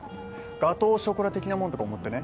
ガトーショコラ的なもんとか思ってね？